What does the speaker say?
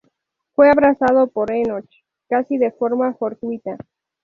Fue abrazado por Enoch casi de forma fortuita.